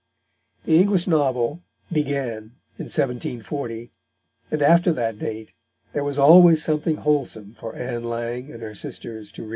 The English novel began in 1740, and after that date there was always something wholesome for Ann Lang and her sisters to read.